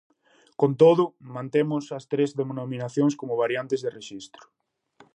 Con todo, mantemos as tres denominacións como variantes de rexistro.